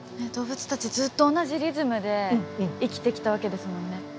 動物たちずっと同じリズムで生きてきたわけですもんね。